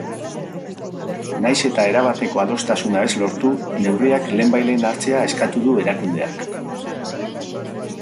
Nahiz eta erabateko adostasuna ez lortu neurriak lehenbailehen hartzea eskatu du erakundeak.